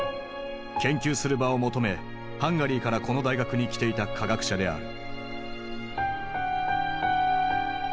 研究する場を求めハンガリーからこの大学に来ていた科学者である。